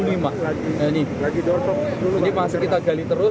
nah ini masih kita gali terus